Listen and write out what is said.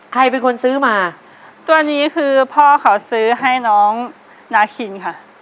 ใครเป็นคนซื้อมาตัวนี้คือพ่อเขาซื้อให้น้องนาคินค่ะ